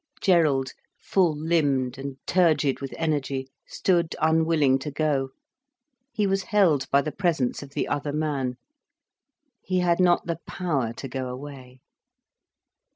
Gerald, full limbed and turgid with energy, stood unwilling to go, he was held by the presence of the other man. He had not the power to go away.